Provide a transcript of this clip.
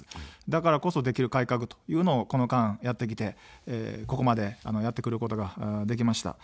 だからこそ、できる改革というのを、この間やってきて、ここまでやってくることができました。